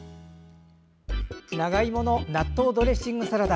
長芋の納豆ドレッシングサラダ。